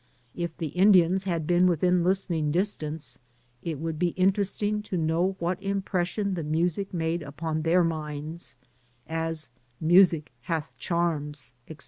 If the Indians had been within listening distance it would be in teresting to know what impression the music made upon their minds, as "Music hath charms, etc."